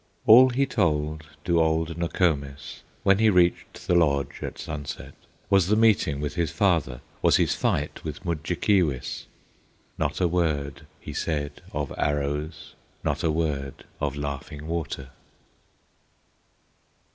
All he told to old Nokomis, When he reached the lodge at sunset, Was the meeting with his father, Was his fight with Mudjekeewis; Not a word he said of arrows, Not a word of Laughing Water.